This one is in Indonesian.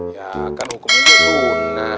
ya kan hukumnya pun